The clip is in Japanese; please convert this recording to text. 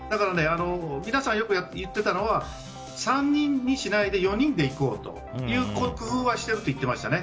皆さん、よく言ってたのが３人にしないで４人で行こうということはしていると言っていましたね。